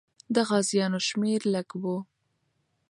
د غازیانو شمېر لږ وو.